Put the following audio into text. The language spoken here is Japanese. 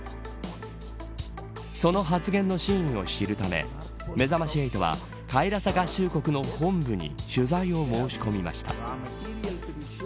その発言の真意を知るためめざまし８はカイラサ合衆国の本部に取材を申し込みました。